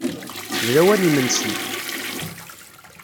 D lawan n yimensi.